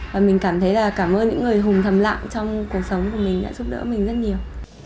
và mình cảm thấy là cảm ơn những người hùng thầm lặng trong cuộc sống của mình đã giúp đỡ mình rất nhiều